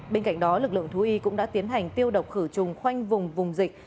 bên cạnh đó lực lượng thú y cũng đã tiến hành tiêu độc khử trùng khoanh vùng vùng dịch